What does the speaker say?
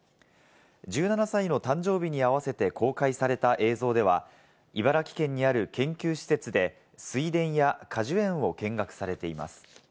１７歳の誕生日に合わせて公開された映像では、茨城県にある研究施設で、水田や果樹園を見学されています。